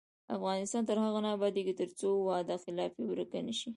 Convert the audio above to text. افغانستان تر هغو نه ابادیږي، ترڅو وعده خلافي ورکه نشي.